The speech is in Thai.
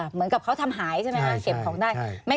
เหมือนกับเขาทำหายใช่ไหมคะเก็บของได้